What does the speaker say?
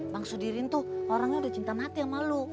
bang sudirin tuh orangnya udah cinta mati sama lu